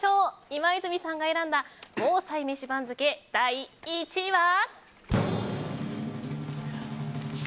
今泉さんが選んだ防災メシ番付第１位は。